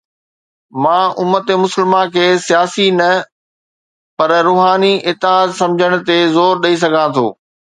مان امت مسلمه کي سياسي نه پر روحاني اتحاد سمجهڻ تي زور ڏئي سگهان ٿو.